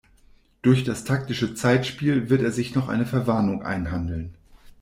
Durch das taktische Zeitspiel wird er sich noch eine Verwarnung einhandeln.